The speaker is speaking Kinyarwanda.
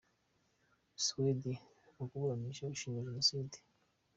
Suwedi mu kuburanisha ushinjwa Jenoside